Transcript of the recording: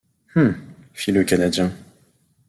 Hum ! fit le Canadien.